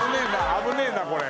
危ねえなこれ。